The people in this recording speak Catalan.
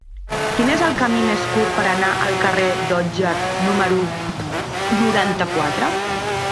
Quin és el camí més curt per anar al carrer d'Otger número noranta-quatre?